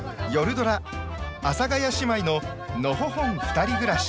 ドラ「阿佐ヶ谷姉妹ののほほんふたり暮らし」。